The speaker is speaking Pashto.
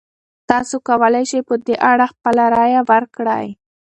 تاسو کولی شئ په دې اړه خپله رایه ورکړئ.